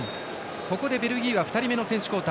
ここでベルギーは２人目の選手交代。